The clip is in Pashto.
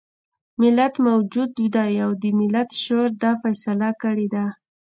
ملت موجود دی او د ملت شعور دا فيصله کړې ده.